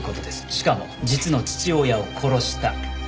しかも実の父親を殺した。